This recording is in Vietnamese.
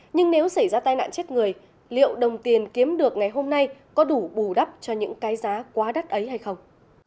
nhưng nếu xảy ra tai nạn chết người liệu đồng tiền kiếm được ngày hôm nay có đủ bù đắp cho những cái giá quá đắt ấy hay không